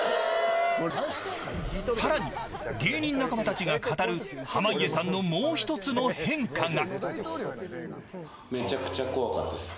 さらに芸人仲間たちが語る濱家さんのもう一つの変化が。